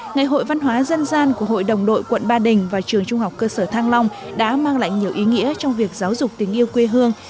ngày hội văn hóa dân gian của hội đồng đội quận ba đình và trường trung học cơ sở thăng long đã mang lại nhiều ý nghĩa trong việc giáo dục tình yêu quê hương